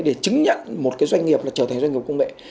để chứng nhận một cái doanh nghiệp là trở thành doanh nghiệp công nghệ